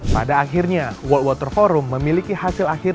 pada akhirnya world water forum memiliki hasil akhir